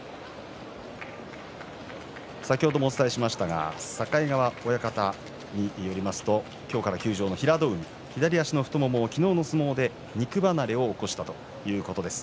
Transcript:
先ほどもお伝えしましたが境川親方によりますと今日から休場の平戸海、左足の太もも、昨日の相撲で肉離れを起こしたということです。